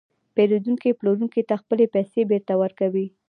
پېرودونکی پلورونکي ته خپلې پیسې بېرته ورکوي